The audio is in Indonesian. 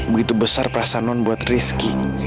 begitu besar perasaan non buat rizky